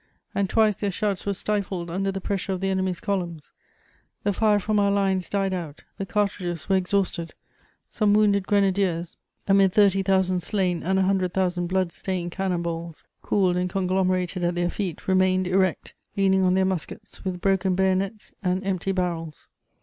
and twice their shouts were stifled under the pressure of the enemy's columns. The fire from our lines died out; the cartridges were exhausted; some wounded grenadiers, amid thirty thousand slain and a hundred thousand blood stained cannon balls, cooled and conglomerated at their feet, remained erect, leaning on their muskets, with broken bayonets and empty barrels.